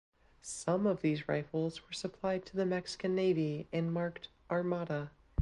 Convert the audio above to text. Some of these rifles were supplied to the Mexican Navy and marked "Armada".